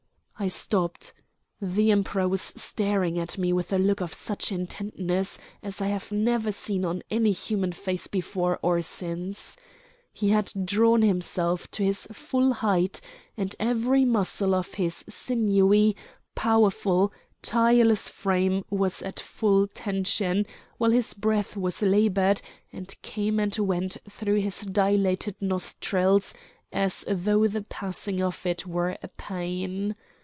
I stopped. The Emperor was staring at me with a look of such intentness as I have never seen on any human face before or since. He had drawn himself to his full height; and every muscle of his sinewy, powerful, tireless frame was at full tension, while his breath was labored, and came and went through his dilated nostrils as though the passing of it were a pain.